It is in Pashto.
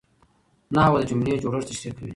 نحوه د جملې جوړښت تشریح کوي.